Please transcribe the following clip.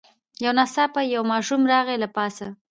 یو ناڅاپه یو ماشوم راغی له پاسه